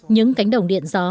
những cánh đồng điện gió